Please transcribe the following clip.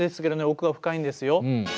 奥が深いんですよ。